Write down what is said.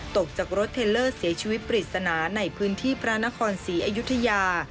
ตกจากรถเทลเลอร์เสียชีวิตปริศนาในพื้นที่พระนครศรีอยุธยา